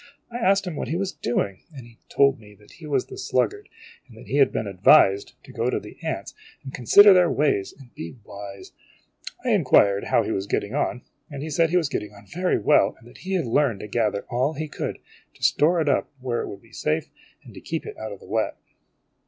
I asked him what he was doing, and he told me that he was The and that he had been advised to go to the ants and His dancine THE SLUGGARD, CONSIDERING. 92 IMAGINOTIONS consider their ways and be wise. I inquired how He was getting on ; he said he was getting on very well, that he had learned to gather all he could, to store it up where it would be safe, and to keep in out of the wet."